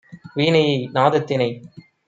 வீணையை நாதத்தினை!